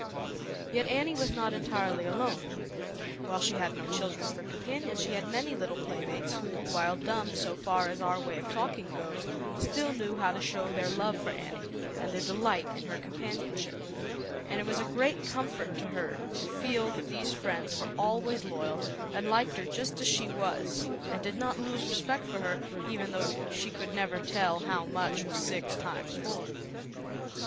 Yet Annie was not entirely alone. While she had no children for compan ions, she had many little playmates who, while dumb so far as our way of talking goes, still knew how to show their love for Annie, and their delight in her com panionship, and it was a great comfort to her to feel that these friends were always loyal and liked her just as she was, and did not lose respect for her, even though she could never tell how much was six times four.